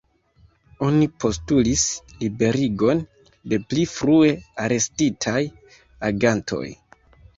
Oni postulis liberigon de pli frue arestitaj agantoj.